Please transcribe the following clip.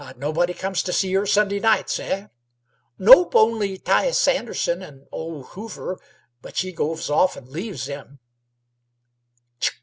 Nobody comes t' see her Sunday nights, eh?" "Nope, only 'Tias Anderson an' Ole Hoover; but she goes off an' leaves 'em."